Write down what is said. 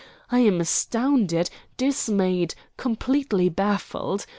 I am astounded, dismayed, completely baffled.